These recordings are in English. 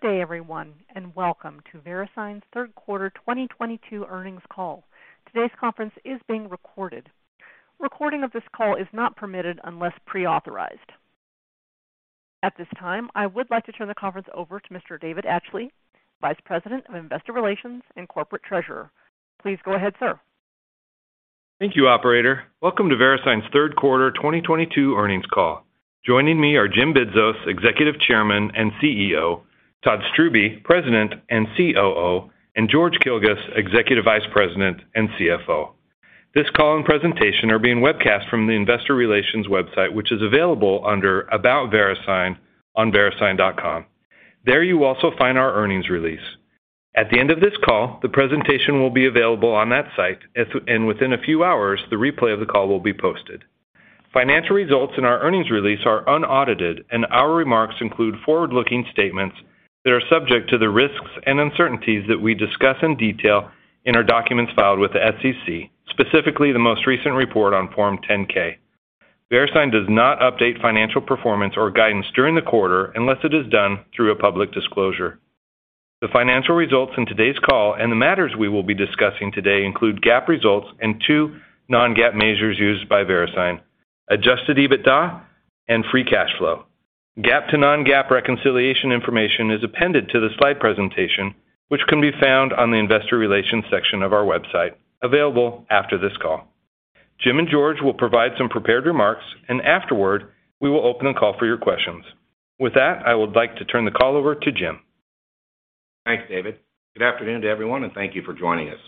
Good day, everyone, and welcome to VeriSign's third quarter 2022 earnings call. Today's conference is being recorded. Recording of this call is not permitted unless pre-authorized. At this time, I would like to turn the conference over to Mr. David Atchley, Vice President of Investor Relations and Corporate Treasurer. Please go ahead, sir. Thank you, operator. Welcome to VeriSign's third quarter 2022 earnings call. Joining me are Jim Bidzos, Executive Chairman and CEO, Todd Strubbe, President and COO, and George Kilguss, Executive Vice President and CFO. This call and presentation are being webcast from the investor relations website, which is available under About VeriSign on verisign.com. There you will also find our earnings release. At the end of this call, the presentation will be available on that site, and within a few hours, the replay of the call will be posted. Financial results in our earnings release are unaudited, and our remarks include forward-looking statements that are subject to the risks and uncertainties that we discuss in detail in our documents filed with the SEC, specifically the most recent report on Form 10-K. VeriSign does not update financial performance or guidance during the quarter unless it is done through a public disclosure. The financial results in today's call and the matters we will be discussing today include GAAP results and two non-GAAP measures used by VeriSign, Adjusted EBITDA and free cash flow. GAAP to non-GAAP reconciliation information is appended to the slide presentation, which can be found on the investor relations section of our website, available after this call. Jim and George will provide some prepared remarks, and afterward, we will open a call for your questions. With that, I would like to turn the call over to Jim. Thanks, David. Good afternoon to everyone, and thank you for joining us.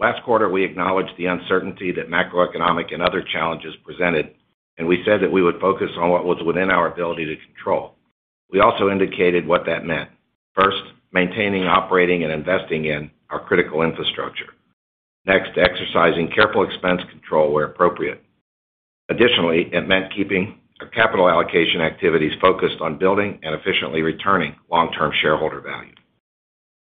Last quarter we acknowledged the uncertainty that macroeconomic and other challenges presented, and we said that we would focus on what was within our ability to control. We also indicated what that meant. First, maintaining, operating, and investing in our critical infrastructure. Next, exercising careful expense control where appropriate. Additionally, it meant keeping our capital allocation activities focused on building and efficiently returning long-term shareholder value.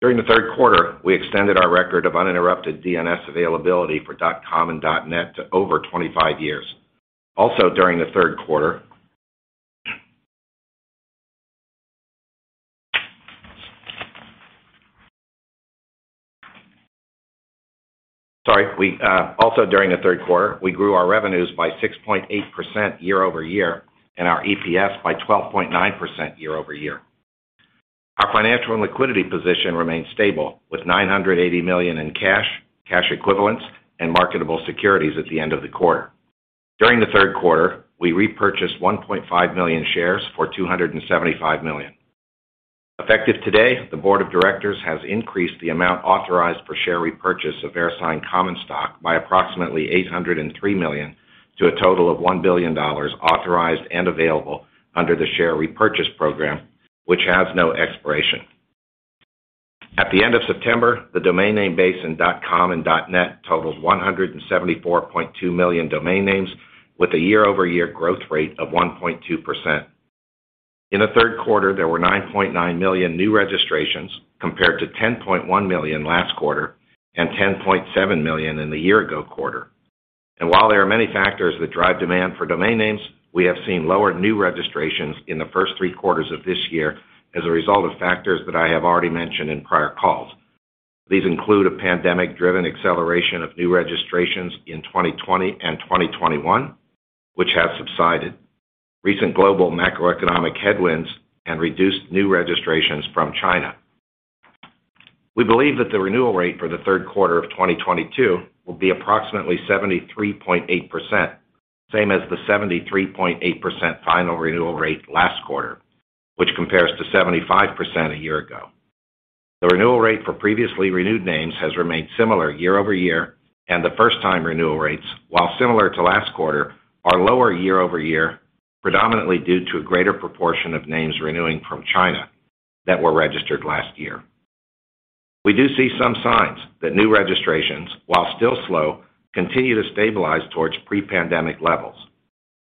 During the third quarter, we extended our record of uninterrupted DNS availability for .com and .net to over 25 years. Also during the third quarter, we grew our revenues by 6.8% year-over-year and our EPS by 12.9% year-over-year. Our financial and liquidity position remained stable with $980 million in cash equivalents, and marketable securities at the end of the quarter. During the third quarter we repurchased 1.5 million shares for $275 million. Effective today, the board of directors has increased the amount authorized per share repurchase of VeriSign common stock by approximately $803 million to a total of $1 billion authorized and available under the share repurchase program, which has no expiration. At the end of September, the domain name base in .com and .net totaled 174.2 million domain names with a year-over-year growth rate of 1.2%. In the third quarter, there were 9.9 million new registrations compared to 10.1 million last quarter and 10.7 million in the year-ago quarter. While there are many factors that drive demand for domain names, we have seen lower new registrations in the first three quarters of this year as a result of factors that I have already mentioned in prior calls. These include a pandemic-driven acceleration of new registrations in 2020 and 2021, which have subsided, recent global macroeconomic headwinds, and reduced new registrations from China. We believe that the renewal rate for the third quarter of 2022 will be approximately 73.8%, same as the 73.8% final renewal rate last quarter, which compares to 75% a year ago. The renewal rate for previously renewed names has remained similar year over year, and the first-time renewal rates, while similar to last quarter, are lower year over year, predominantly due to a greater proportion of names renewing from China that were registered last year. We do see some signs that new registrations, while still slow, continue to stabilize towards pre-pandemic levels.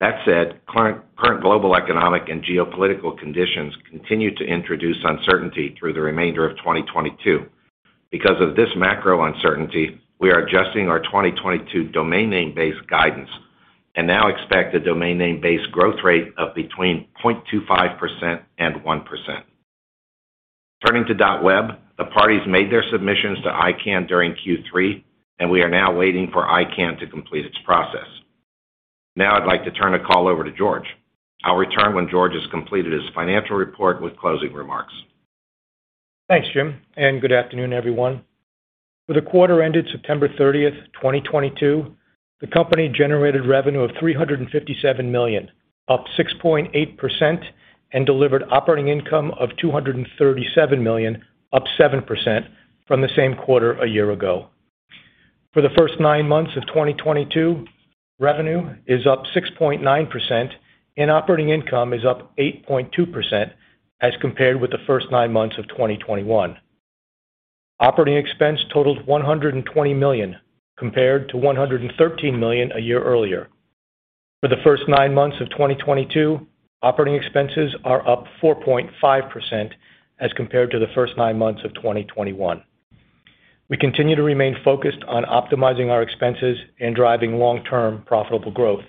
That said, current global economic and geopolitical conditions continue to introduce uncertainty through the remainder of 2022. Because of this macro uncertainty, we are adjusting our 2022 domain name base guidance and now expect a domain name base growth rate of between 0.25% and 1%. Turning to .web, the parties made their submissions to ICANN during Q3, and we are now waiting for ICANN to complete its process. Now I'd like to turn the call over to George. I'll return when George has completed his financial report with closing remarks. Thanks, Jim, and good afternoon, everyone. For the quarter ended September 30, 2022, the company generated revenue of $357 million, up 6.8%, and delivered operating income of $237 million, up 7% from the same quarter a year ago. For the first nine months of 2022, revenue is up 6.9% and operating income is up 8.2% as compared with the first nine months of 2021. Operating expense totaled $120 million compared to $113 million a year earlier. For the first nine months of 2022, operating expenses are up 4.5% as compared to the first nine months of 2021. We continue to remain focused on optimizing our expenses and driving long-term profitable growth.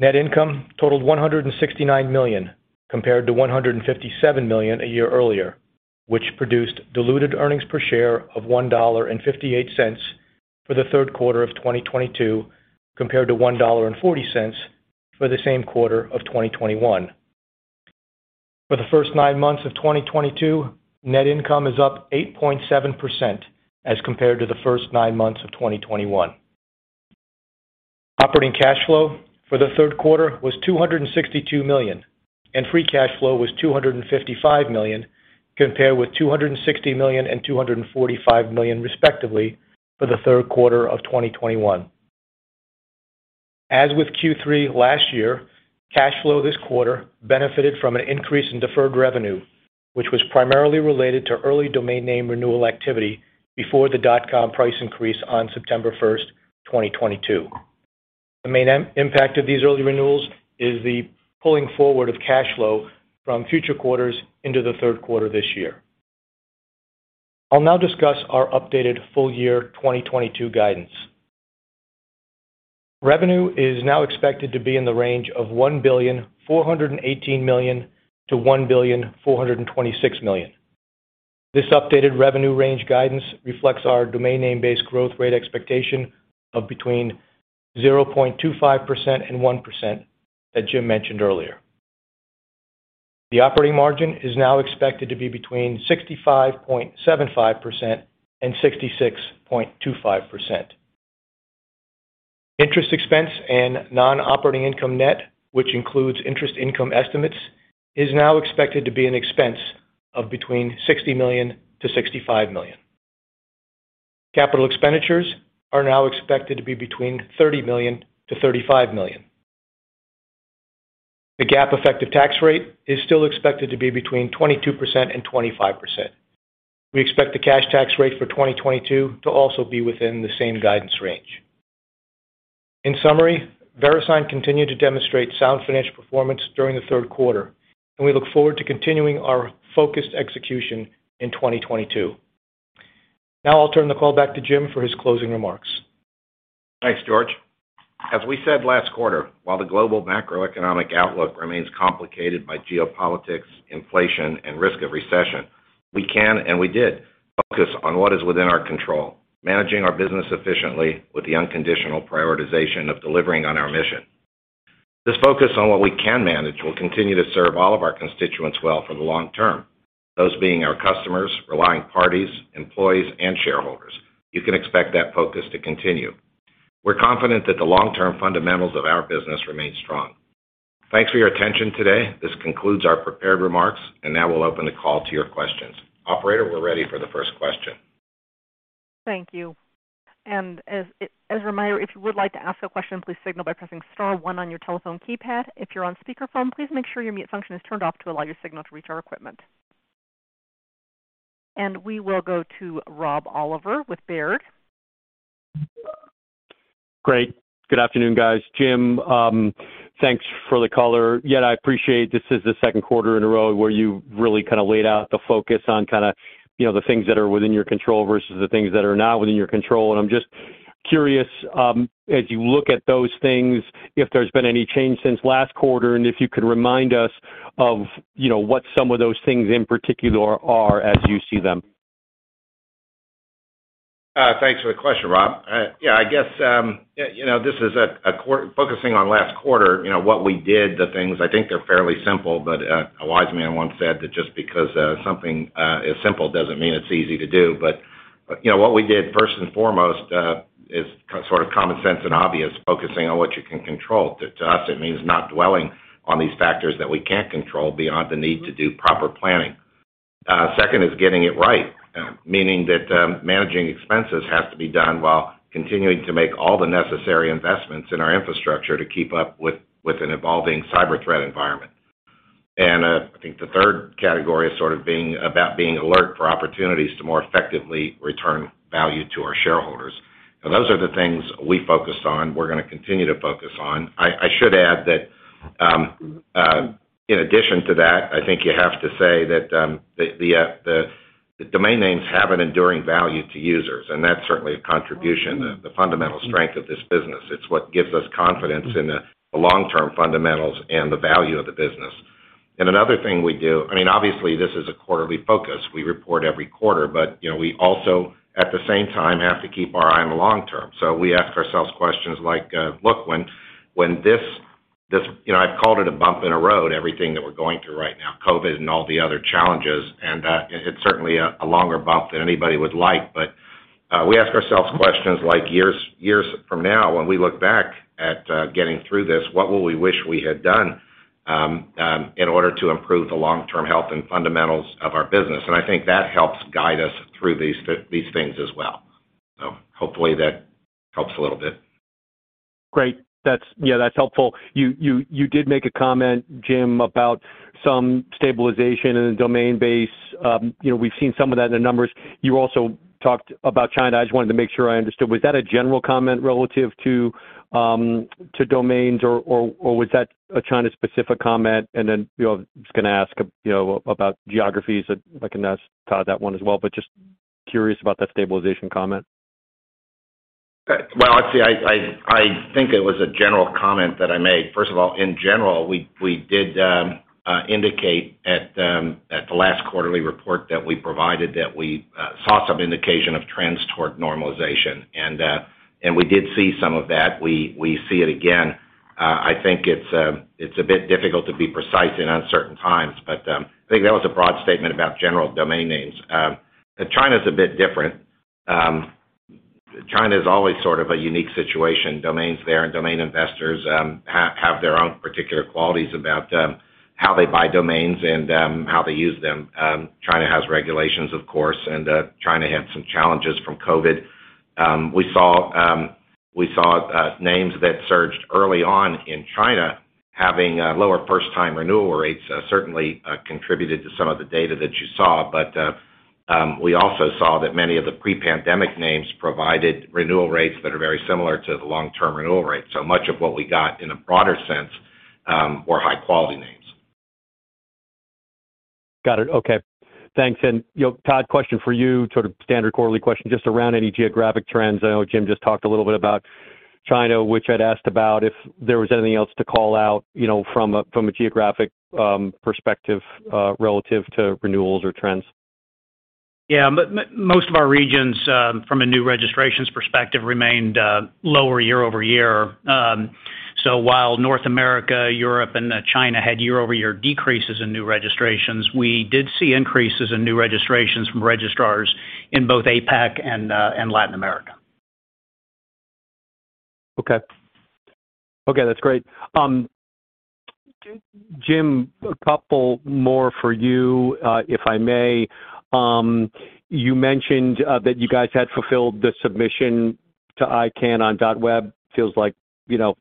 Net income totaled $169 million compared to $157 million a year earlier, which produced diluted earnings per share of $1.58 for the third quarter of 2022, compared to $1.40 for the same quarter of 2021. For the first nine months of 2022, net income is up 8.7% as compared to the first nine months of 2021. Operating cash flow for the third quarter was $262 million, and free cash flow was $255 million, compared with $260 million and $245 million, respectively, for the third quarter of 2021. As with Q3 last year, cash flow this quarter benefited from an increase in deferred revenue, which was primarily related to early domain name renewal activity before the .com price increase on September 1, 2022. The main impact of these early renewals is the pulling forward of cash flow from future quarters into the third quarter this year. I'll now discuss our updated full year 2022 guidance. Revenue is now expected to be in the range of $1418,000,000-$1426,000,000. This updated revenue range guidance reflects our domain name-based growth rate expectation of between 0.25% and 1% that Jim mentioned earlier. The operating margin is now expected to be between 65.75% and 66.25%. Interest expense and non-operating income net, which includes interest income estimates, is now expected to be an expense of between $60 million-$65 million. Capital expenditures are now expected to be between $30 million-$35 million. The GAAP effective tax rate is still expected to be between 22% and 25%. We expect the cash tax rate for 2022 to also be within the same guidance range. In summary, VeriSign continued to demonstrate sound financial performance during the third quarter, and we look forward to continuing our focused execution in 2022. Now I'll turn the call back to Jim for his closing remarks. Thanks, George. As we said last quarter, while the global macroeconomic outlook remains complicated by geopolitics, inflation, and risk of recession, we can and we did focus on what is within our control, managing our business efficiently with the unconditional prioritization of delivering on our mission. This focus on what we can manage will continue to serve all of our constituents well for the long term, those being our customers, relying parties, employees, and shareholders. You can expect that focus to continue. We're confident that the long-term fundamentals of our business remain strong. Thanks for your attention today. This concludes our prepared remarks, and now we'll open the call to your questions. Operator, we're ready for the first question. Thank you. As a reminder, if you would like to ask a question, please signal by pressing star one on your telephone keypad. If you're on speakerphone, please make sure your mute function is turned off to allow your signal to reach our equipment. We will go to Rob Oliver with Baird. Great. Good afternoon, guys. Jim, thanks for the color. Yet I appreciate this is the second quarter in a row where you really kind of laid out the focus on kind of, you know, the things that are within your control versus the things that are not within your control. I'm just curious, as you look at those things, if there's been any change since last quarter, and if you could remind us of, you know, what some of those things in particular are as you see them. Thanks for the question, Rob. Yeah, I guess, you know, this is focusing on last quarter, you know, what we did, the things I think are fairly simple, but a wise man once said that just because something is simple doesn't mean it's easy to do. You know, what we did first and foremost is sort of common sense and obvious, focusing on what you can control. To us, it means not dwelling on these factors that we can't control beyond the need to do proper planning. Second is getting it right, meaning that managing expenses has to be done while continuing to make all the necessary investments in our infrastructure to keep up with an evolving cyber threat environment. I think the third category is sort of about being alert for opportunities to more effectively return value to our shareholders. Now, those are the things we focused on, we're gonna continue to focus on. I should add that, in addition to that, I think you have to say that, the domain names have an enduring value to users, and that's certainly a contribution, the fundamental strength of this business. It's what gives us confidence in the long-term fundamentals and the value of the business. Another thing we do. I mean, obviously, this is a quarterly focus. We report every quarter, but, you know, we also, at the same time, have to keep our eye on the long term. We ask ourselves questions like, look, when this. You know, I've called it a bump in the road, everything that we're going through right now, COVID and all the other challenges, and it's certainly a longer bump than anybody would like. We ask ourselves questions like years from now, when we look back at getting through this, what will we wish we had done in order to improve the long-term health and fundamentals of our business? I think that helps guide us through these things as well. Hopefully that helps a little bit. Great. That's, yeah, that's helpful. You did make a comment, Jim, about some stabilization in the domain base. You know, we've seen some of that in the numbers. You also talked about China. I just wanted to make sure I understood. Was that a general comment relative to domains, or was that a China-specific comment? Then, you know, just gonna ask, you know, about geographies. I can ask Todd that one as well, but just curious about that stabilization comment. Well, let's see. I think it was a general comment that I made. First of all, in general, we did indicate at the last quarterly report that we provided that we saw some indication of trends toward normalization, and we did see some of that. We see it again. I think it's a bit difficult to be precise in uncertain times, but I think that was a broad statement about general domain names. China's a bit different. China's always sort of a unique situation. Domains there and domain investors have their own particular qualities about how they buy domains and how they use them. China has regulations, of course, and China had some challenges from COVID. We saw names that surged early on in China having lower first-time renewal rates certainly contributed to some of the data that you saw. We also saw that many of the pre-pandemic names provided renewal rates that are very similar to the long-term renewal rates. Much of what we got in a broader sense were high-quality names. Got it. Okay. Thanks. You know, Todd, question for you, sort of standard quarterly question just around any geographic trends. I know Jim just talked a little bit about China, which I'd asked about if there was anything else to call out, you know, from a geographic perspective, relative to renewals or trends. Yeah. Most of our regions from a new registrations perspective remained lower year-over-year. While North America, Europe, and China had year-over-year decreases in new registrations, we did see increases in new registrations from registrars in both APAC and Latin America. Okay. Okay, that's great. Jim, a couple more for you, if I may. You mentioned that you guys had fulfilled the submission to ICANN on .web. Feels like, you know,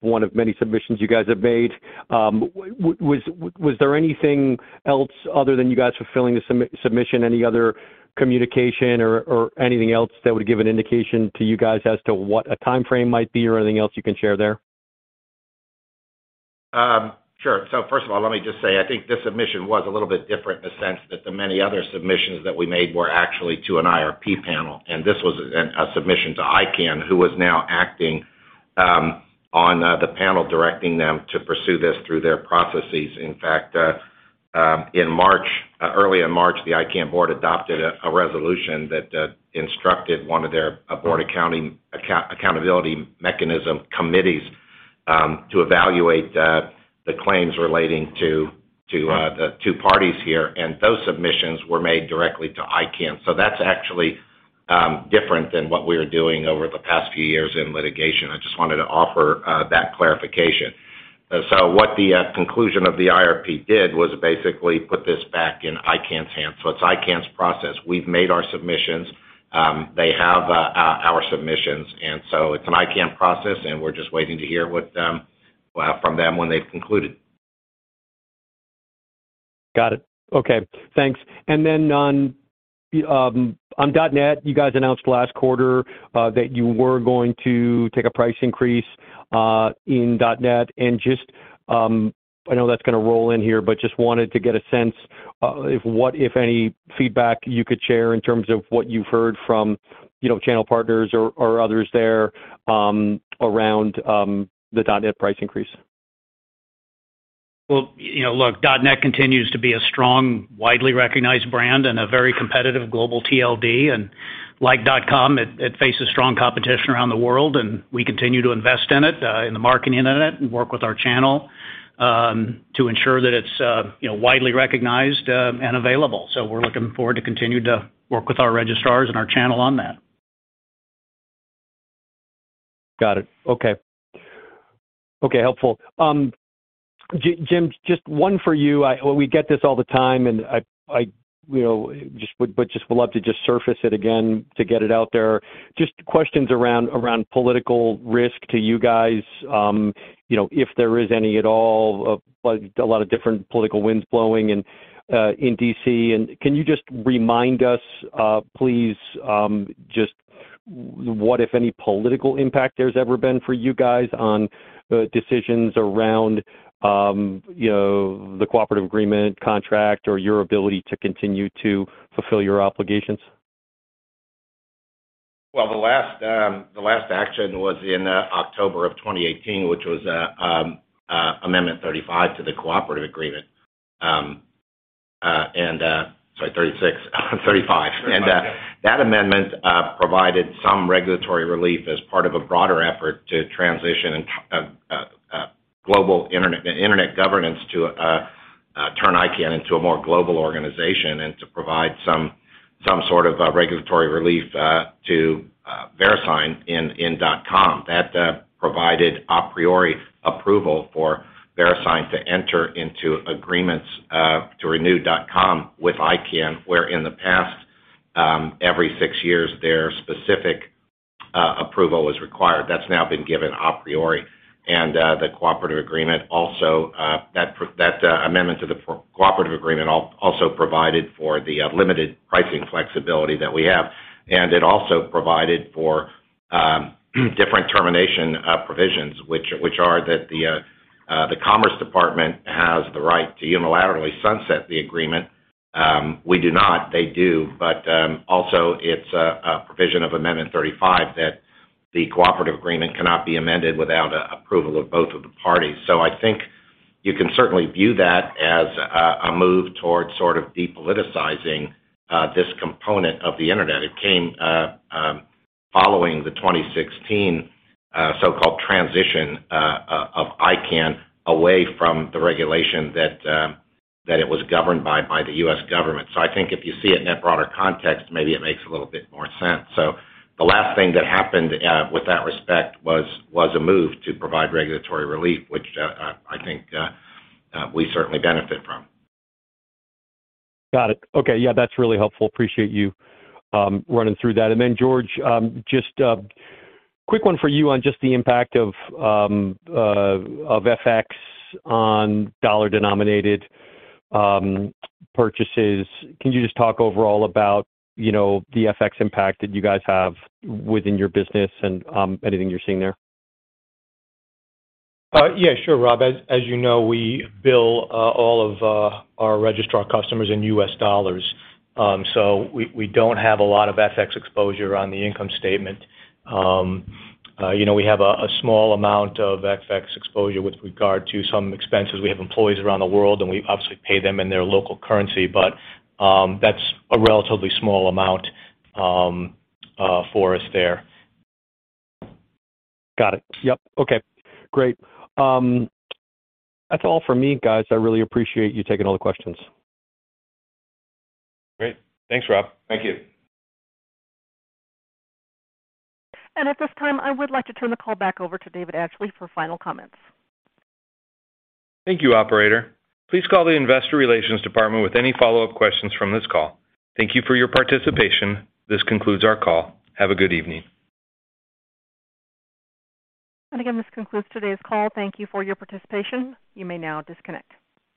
one of many submissions you guys have made. Was there anything else other than you guys fulfilling the submission? Any other communication or anything else that would give an indication to you guys as to what a timeframe might be or anything else you can share there? Sure. First of all, let me just say, I think this submission was a little bit different in the sense that than many other submissions that we made were actually to an IRP panel, and this was a submission to ICANN, who was now acting on the panel directing them to pursue this through their processes. In fact, in March, early in March, the ICANN board adopted a resolution that instructed one of their board accountability mechanism committees to evaluate the claims relating to the two parties here, and those submissions were made directly to ICANN. That's actually different than what we were doing over the past few years in litigation. I just wanted to offer that clarification. what the conclusion of the IRP did was basically put this back in ICANN's hands. It's ICANN's process. We've made our submissions. They have our submissions, it's an ICANN process, and we're just waiting to hear what from them when they've concluded. Got it. Okay. Thanks. Then on .net, you guys announced last quarter that you were going to take a price increase in .net. Just, I know that's gonna roll in here, but just wanted to get a sense if any feedback you could share in terms of what you've heard from, you know, channel partners or others there around the .net price increase. Well, you know, look, .net continues to be a strong, widely recognized brand and a very competitive global TLD. Like .com, it faces strong competition around the world, and we continue to invest in it, in the marketing in it and work with our channel, to ensure that it's, you know, widely recognized, and available. We're looking forward to continue to work with our registrars and our channel on that. Got it. Okay. Okay, helpful. Jim, just one for you. We get this all the time, and I, you know, just would love to just surface it again to get it out there. Just questions around political risk to you guys, you know, if there is any at all, like a lot of different political winds blowing and in D.C. Can you just remind us, please, just what, if any, political impact there's ever been for you guys on decisions around, you know, the Cooperative Agreement contract or your ability to continue to fulfill your obligations? Well, the last action was in October of 2018, which was Amendment 35 to the Cooperative Agreement. Sorry, 36. 35. 35, yeah. That amendment provided some regulatory relief as part of a broader effort to transition Global Internet Governance to turn ICANN into a more global organization and to provide some sort of regulatory relief to VeriSign in .com. That provided a priori approval for VeriSign to enter into agreements to renew .com with ICANN, where in the past every six years, their specific approval was required. That's now been given a priori. The Cooperative Agreement also, that amendment to the Cooperative Agreement also provided for the limited pricing flexibility that we have. It also provided for different termination provisions, which are that the Commerce Department has the right to unilaterally sunset the agreement. We do not, they do. Also it's a provision of Amendment 35 that the Cooperative Agreement cannot be amended without approval of both of the parties. I think you can certainly view that as a move towards sort of depoliticizing this component of the Internet. It came following the 2016 so-called transition of ICANN away from the regulation that it was governed by the U.S. government. I think if you see it in that broader context, maybe it makes a little bit more sense. The last thing that happened with that respect was a move to provide regulatory relief, which I think we certainly benefit from. Got it. Okay. Yeah, that's really helpful. Appreciate you running through that. George, just quick one for you on just the impact of FX on dollar-denominated purchases. Can you just talk overall about, you know, the FX impact that you guys have within your business and anything you're seeing there? Yeah, sure, Rob. As you know, we bill all of our registrar customers in U.S. dollars, so we don't have a lot of FX exposure on the income statement. You know, we have a small amount of FX exposure with regard to some expenses. We have employees around the world, and we obviously pay them in their local currency, but that's a relatively small amount for us there. Got it. Yep. Okay, great. That's all for me, guys. I really appreciate you taking all the questions. Great. Thanks, Rob. Thank you. At this time, I would like to turn the call back over to David Atchley for final comments. Thank you, operator. Please call the investor relations department with any follow-up questions from this call. Thank you for your participation. This concludes our call. Have a good evening. Again, this concludes today's call. Thank you for your participation. You may now disconnect.